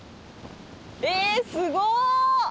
えすごっ！